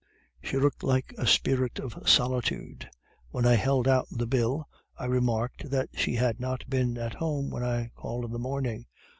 She looked like a spirit of solitude. When I held out the bill, I remarked that she had not been at home when I called in the morning.